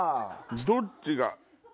どっちが。